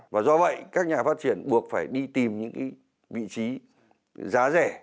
và do vậy các nhà phát triển buộc phải đi tìm những cái vị trí giá rẻ